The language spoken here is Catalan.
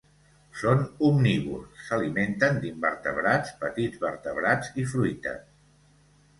Són omnívors, s'alimenten d'invertebrats, petits vertebrats i fruites.